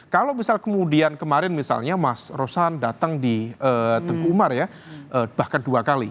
kalau misal kemudian kemarin misalnya mas rosan datang di teguh umar ya bahkan dua kali